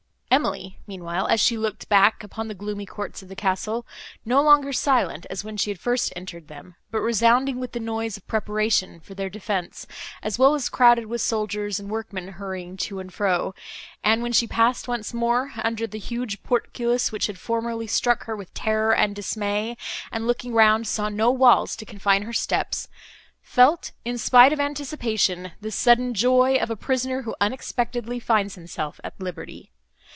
Emily, meanwhile, as she looked back upon the gloomy courts of the castle, no longer silent as when she had first entered them, but resounding with the noise of preparation for their defence, as well as crowded with soldiers and workmen, hurrying to and fro; and, when she passed once more under the huge portcullis, which had formerly struck her with terror and dismay, and, looking round, saw no walls to confine her steps—felt, in spite of anticipation, the sudden joy of a prisoner, who unexpectedly finds himself at liberty.